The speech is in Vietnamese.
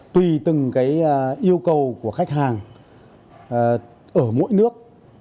tùy từng cái yêu cầu của khách hàng ở mỗi nước